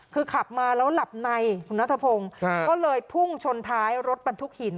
คือขับมาแล้วหลับในคุณนัทพงศ์ก็เลยพุ่งชนท้ายรถบรรทุกหิน